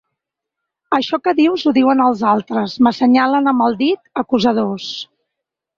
Això que dius ho diuen els altres, m’assenyalen amb el dit, acusadors.